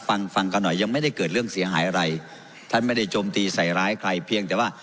ฟังฟังกันหน่อยยังไม่ได้เกิดเรื่องเสียหายอะไรท่านไม่ได้โจมตีใส่ร้ายใครเพียงแต่ว่า